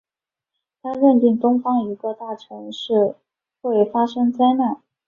他认定东方一个大城市会发生灾难。